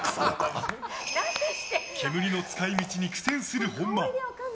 煙の使い道に苦戦する本間。